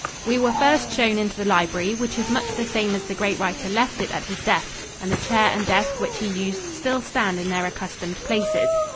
We were first shown into the library, which is much the same as the great writer left it at his death, and the chair and desk which he used still stand in their accustomed places.